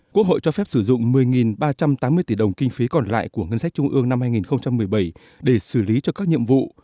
quốc hội cho phép sử dụng một mươi ba trăm tám mươi tỷ đồng kinh phí còn lại của ngân sách trung ương năm hai nghìn một mươi bảy để xử lý cho các nhiệm vụ